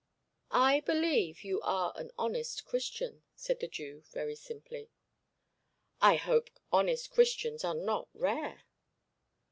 'I believe you are an honest Christian,' said the Jew very simply. 'I hope honest Christians are not rare.'